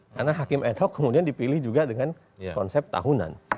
karena hakim ad hoc kemudian dipilih juga dengan konsep tahunan